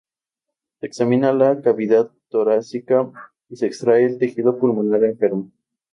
Se examina la cavidad torácica y se extrae el tejido pulmonar enfermo.